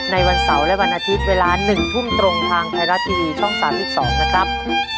ในวันเสาร์และวันอาทิตย์เวลา๑ทุ่มตรงทางไทยรัฐทีวีช่อง๓๒นะครับ